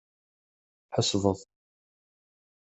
Tḥesbeḍ.